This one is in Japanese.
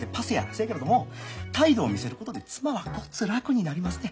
せやけれども態度を見せることで妻はごっつ楽になりますねん。